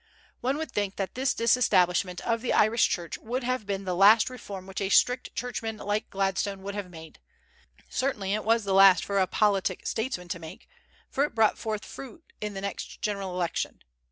One would think that this disestablishment of the Irish Church would have been the last reform which a strict churchman like Gladstone would have made; certainly it was the last for a politic statesman to make, for it brought forth fruit in the next general election.